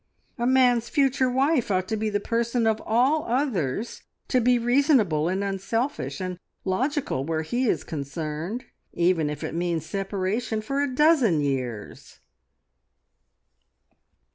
A man's future wife ought to be the person of all others to be reasonable, and unselfish, and logical where he is concerned, even if it means separation for a dozen years."